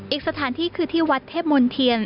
อีกสถานที่คือที่วัดเทพมนเทียน